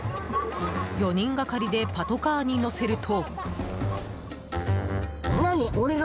４人がかりでパトカーに乗せると。